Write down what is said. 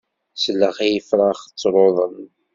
Selleɣ i ifrax ttruḍen.